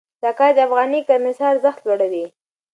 دا کار د افغاني کرنسۍ ارزښت لوړوي.